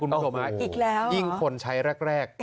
อีกแล้วเหรออีกแล้วเหรออีกแล้วเหรอยิ่งคนใช้แรก